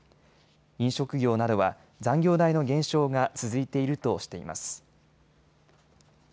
飲食業などは残業代の減少が続いているとしています。